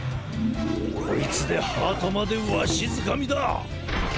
こいつでハートまでわしづかみだ！